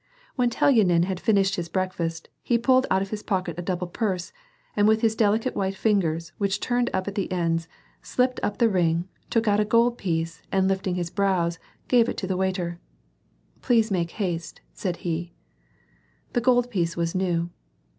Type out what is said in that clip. When Telyanin had finished his breakfast, he pulled out of his pocket a double purse, and with his delicate white fingers which turned up at the ends, slipped up the ring, took out a gold piece, and lifting his brows, gave it to the waiter, " Please make haste," said he. The gold piece was new.